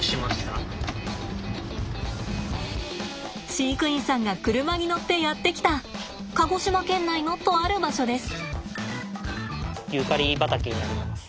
飼育員さんが車に乗ってやって来た鹿児島県内のとある場所です。